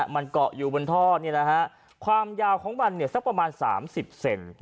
มันเกาะอยู่บนท่อความยาวของมันสักประมาณ๓๐เซน